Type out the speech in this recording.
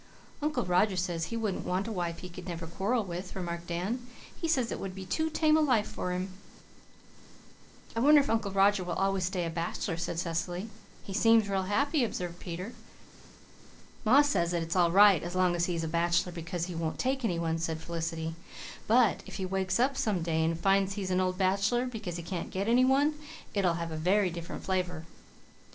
"Uncle Roger says he wouldn't want a wife he could never quarrel with," remarked Dan. "He says it would be too tame a life for him." "I wonder if Uncle Roger will always stay a bachelor," said Cecily. "He seems real happy," observed Peter. "Ma says that it's all right as long as he is a bachelor because he won't take any one," said Felicity, "but if he wakes up some day and finds he is an old bachelor because he can't get any one it'll have a very different flavour."